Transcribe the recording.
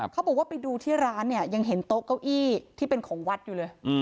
เขาบอกว่าไปดูที่ร้านเนี่ยยังเห็นโต๊ะเก้าอี้ที่เป็นของวัดอยู่เลย